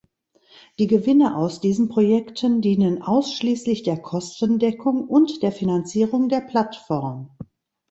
Die Gewinne aus diesen Projekten dienen ausschließlich der Kostendeckung und der Finanzierung der Plattform.